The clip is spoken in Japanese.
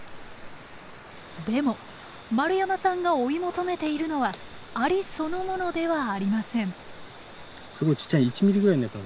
でも丸山さんが追い求めているのはアリそのものではありません。